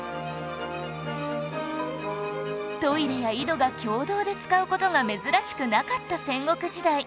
トイレや井戸が共同で使う事が珍しくなかった戦国時代